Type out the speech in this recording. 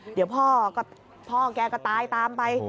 เดี๋ยวพ่อแกก็ตายตามไป